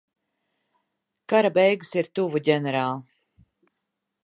Kara beigas ir tuvu, ģenerāl.